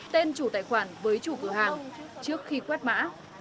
tên chủ tài khoản với chủ cửa hàng trước khi quét mã